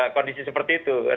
kondisi seperti itu